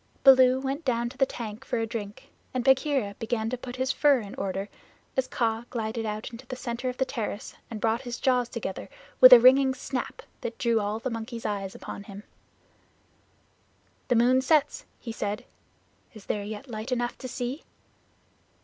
Baloo went down to the tank for a drink and Bagheera began to put his fur in order, as Kaa glided out into the center of the terrace and brought his jaws together with a ringing snap that drew all the monkeys' eyes upon him. "The moon sets," he said. "Is there yet light enough to see?"